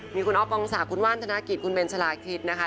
มีคุณอ๊อฟปองศักดิ์คุณว่านธนกิจคุณเบนชะลาคริสนะคะ